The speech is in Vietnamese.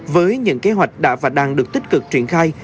với những kế hoạch đã và đang được tích cực triển khai